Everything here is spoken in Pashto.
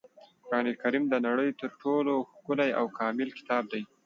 قرانکریم د نړۍ تر ټولو ښکلی او کامل کتاب دی.